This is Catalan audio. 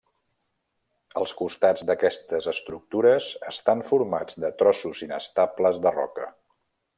Els costats d'aquestes estructures estan formats de trossos inestables de roca.